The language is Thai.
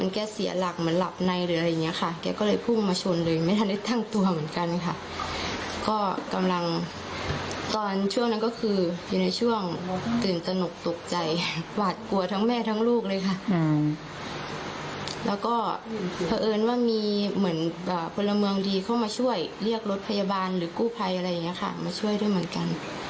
ก็กลัวรถพยาบาลหรือกู้ภัยอะไรอย่างนี้ค่ะมาช่วยด้วยเหมือนกัน